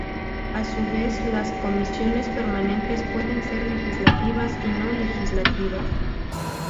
A su vez, las comisiones permanentes pueden ser legislativas y no legislativas.